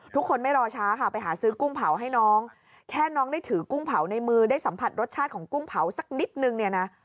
ไม่รอช้าค่ะไปหาซื้อกุ้งเผาให้น้องแค่น้องได้ถือกุ้งเผาในมือได้สัมผัสรสชาติของกุ้งเผาสักนิดนึงเนี่ยนะ